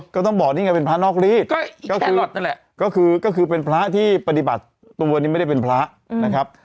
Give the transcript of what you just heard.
ก็ต้องบอกนี่ไงเป็นพระนอกรีดก็คือนั่นแหละก็คือก็คือเป็นพระที่ปฏิบัติตัวนี้ไม่ได้เป็นพระนะครับ